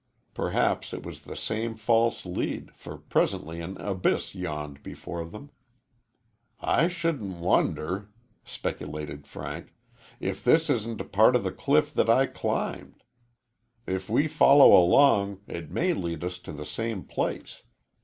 Perhaps it was the same false lead, for presently an abyss yawned before them. "I shouldn't wonder," speculated Frank, "if this isn't a part of the cliff that I climbed. If we follow along, it may lead us to the same place.